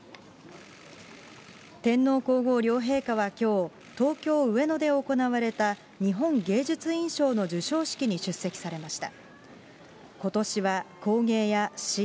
天皇皇后両陛下はきょう、東京・上野で行われた日本芸術院賞の授賞式に出席されました。